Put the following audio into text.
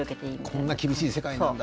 こんな厳しい世界なんだ。